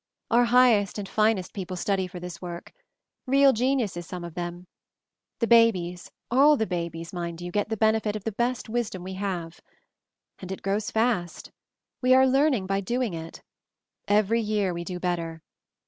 Our highest and finest people study for this work. Real geniuses, some of them. The babies, all the babies, mind you, get the benefit of the best wisdom we have. And it grows fast. We are learn ing by doing it. Every year we do better.